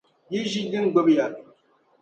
Yi ʒi din gbibi ya.